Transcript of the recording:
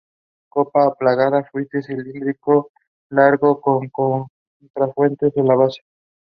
It was produced by Shweta Shinde for Vajra Productions.